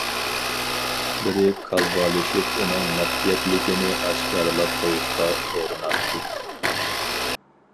پۇتلىرى كالۋالىشىپ ئۇنىڭ مەخپىيەتلىكىنى ئاشكارىلاپ قويۇشقا ئۇرۇناتتى.